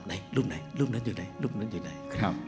ไหนรูปไหนรูปนั้นอยู่ไหนรูปนั้นอยู่ไหน